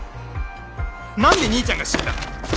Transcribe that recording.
なんで兄ちゃんが死んだ？